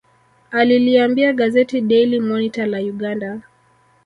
Aliliambia gazeti Daily Monitor la Uganda